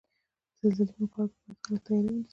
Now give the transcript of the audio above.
د زلزلزلې په مقابل کې باید خلک تیاری ونیسئ.